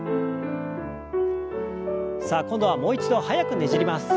さあ今度はもう一度速くねじります。